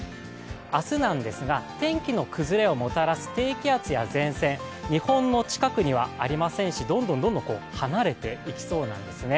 明日なんですが天気の崩れをもたらす低気圧や前線、日本の近くにはありませんしどんどんどんどん離れていきそうなんですね。